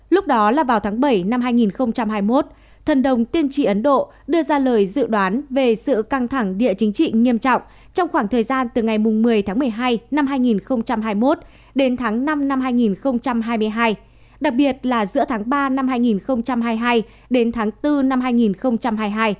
lúc đó là vào tháng bảy năm hai nghìn hai mươi một thần đồng tiên tri ấn độ đưa ra lời dự đoán về sự căng thẳng địa chính trị nghiêm trọng trong khoảng thời gian từ ngày một mươi tháng một mươi hai năm hai nghìn hai mươi một đến tháng năm năm hai nghìn hai mươi hai đặc biệt là giữa tháng ba năm hai nghìn hai mươi hai đến tháng bốn năm hai nghìn hai mươi hai